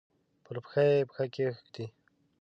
پر پښه یې پښه کښېږده!